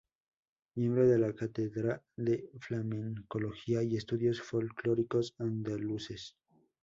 Miembro de la Cátedra de Flamencología y Estudios Folclóricos Andaluces.